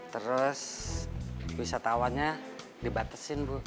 terus wisatawannya dibatasiin bu